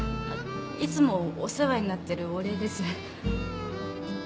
いつもお世話になってるお礼です。